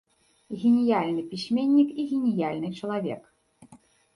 Геніяльны пісьменнік і геніяльны чалавек.